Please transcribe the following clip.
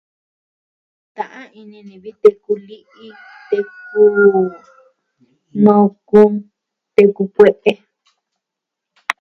Ta'an ini ni teku vi teku li'i, teku nukun, teku kue'e.